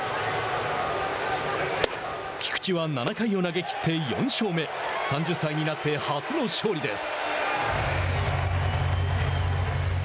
菊池は７回を投げきって４勝目３０歳になって初の勝利です。